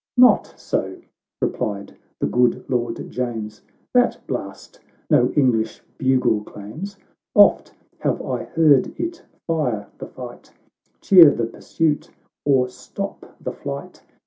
— "Not so," replied the good Lord James, " That blast no English bugle claims. Oft have I heard it fire the fight, Cheer the pursuit, or stop the flight.